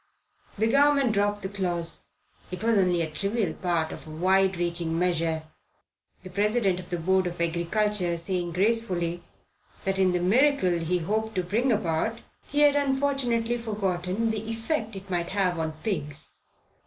The Government dropped the clause it was only a trivial part of a wide reaching measure the President of the Board of Agriculture saying gracefully that in the miracle he hoped to bring about he had unfortunately forgotten the effect it might have on the pigs.